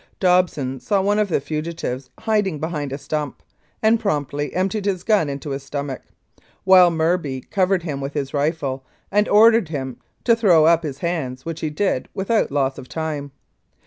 Dobson saw one of the fugitives hiding behind a stump, and promptly emptied his gun into his stomach, while Murby covered him with his rifle and ordered him to throw up his hands, which he did without loss of time.